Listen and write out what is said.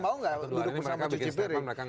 mau nggak duduk bersama cuci piring